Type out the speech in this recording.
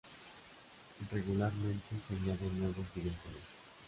Regularmente se añaden nuevos videojuegos.